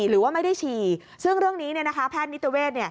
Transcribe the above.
หรือว่าไม่ได้ชี่ซึ่งเรื่องนี้เนี่ยนะคะแพทย์นิตเวศ